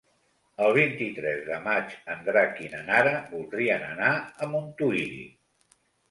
El vint-i-tres de maig en Drac i na Nara voldrien anar a Montuïri.